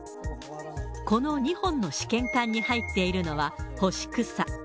この２本の試験管に入っているのは、干し草。